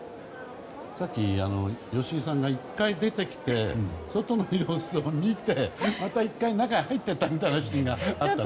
さっき吉井さんが１回出てきて外の様子を見て、また１回中へ入っていったみたいなシーンがあったね。